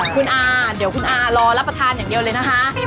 คุณอาเดี๋ยวคุณอารอรับประทานอย่างเดียวเลยนะคะ